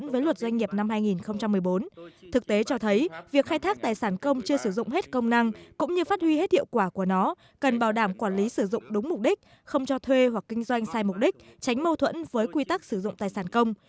việc khai thác tài sản công chưa sử dụng hết công năng cũng như phát huy hết hiệu quả của nó cần bảo đảm quản lý sử dụng đúng mục đích không cho thuê hoặc kinh doanh sai mục đích tránh mâu thuẫn với quy tắc sử dụng tài sản công